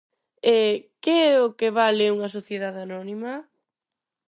E ¿que é o que vale unha sociedade anónima?